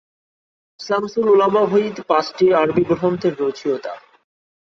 শামসুল উলামা ওহীদ পাঁচটি আরবি গ্রন্থের রচয়িতা।